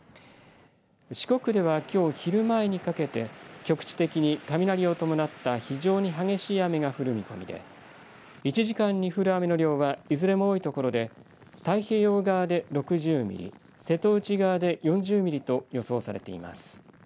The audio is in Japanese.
四国では、きょう昼前にかけて局地的に雷を伴った非常に激しい雨が降る見込みで１時間に降る雨の量はいずれも多いところで太平洋側で６０ミリ瀬戸内側で４０ミリと予想されています。